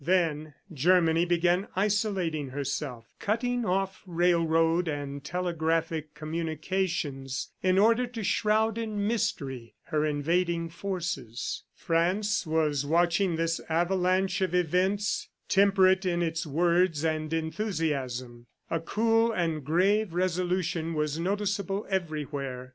Then Germany began isolating herself, cutting off railroad and telegraphic communications in order to shroud in mystery her invading forces. France was watching this avalanche of events, temperate in its words and enthusiasm. A cool and grave resolution was noticeable everywhere.